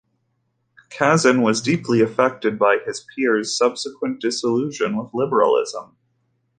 Kazin was deeply affected by his peers' subsequent disillusion with liberalism.